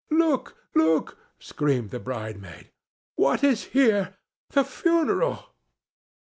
"Look! look!" screamed the bridemaid. "What is here? The funeral!"